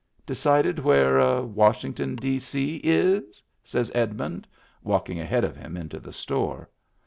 " Decided where Washington, D.C., is ?" says Edmund, walkin' ahead of him into the store.